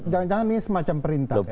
jangan jangan ini semacam perintah